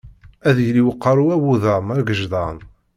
Ad yili uqerru awudam agejdan.